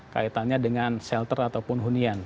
kaitannya dengan shelter ataupun hunian